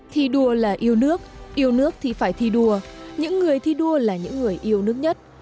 thi đua là yêu nước yêu nước thì phải thi đua những người thi đua là những người yêu nước nhất